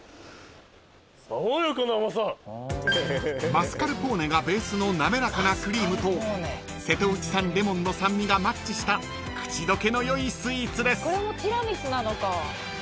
［マスカルポーネがベースの滑らかなクリームと瀬戸内産レモンの酸味がマッチした口どけの良いスイーツです］